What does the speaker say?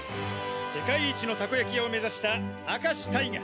世界一のたこやき屋を目指した明石タイガ。